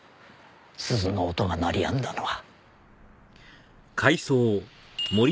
鈴の音が鳴りやんだのは。